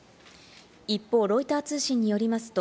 一方、ロイター通信によりますと、